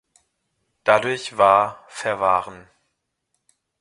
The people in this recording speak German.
Dadurch war verwahren.